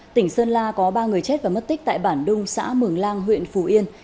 tỉnh sơn la có ba người chết và mất tích tại bản đung xã mường lang huyện phù yên